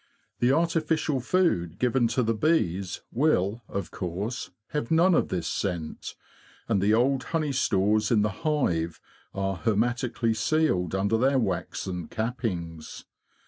The artificial food given to the bees will, of course, have none of this scent, and the old honey stores in the hive are hermetically sealed under their waxen cappings.